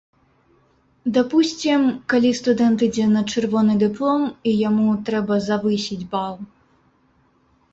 Дапусцім, калі студэнт ідзе на чырвоны дыплом і яму трэба завысіць бал.